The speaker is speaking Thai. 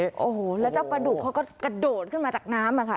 โอ้โหแล้วเจ้าประดุกเขาก็กระโดดขึ้นมาจากน้ำอะค่ะ